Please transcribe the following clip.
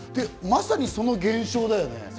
まさにその現象だよね。